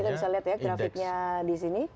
kita bisa lihat ya grafiknya di sini